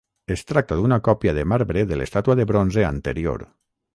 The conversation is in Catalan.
Es tracta d'una còpia de marbre de l'estàtua de bronze anterior.